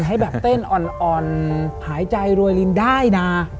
ให้แบบเต้นอ่อนหายใจรวยรินได้นะ